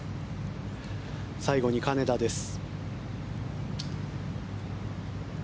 最後に金田です。